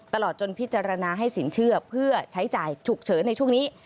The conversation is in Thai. ตลอดจนพิจารณาให้สินเชื่อเพื่อใช้จ่ายฉุกเฉินในช่วงนี้